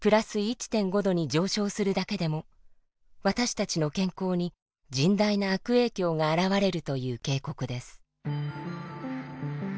℃に上昇するだけでも私たちの健康に甚大な悪影響が現れるという警告です。